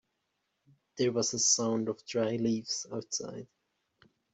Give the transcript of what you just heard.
There was a sound of dry leaves outside.